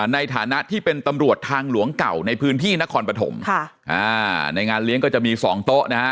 ในฐานะที่เป็นตำรวจทางหลวงเก่าในพื้นที่นครปฐมในงานเลี้ยงก็จะมีสองโต๊ะนะฮะ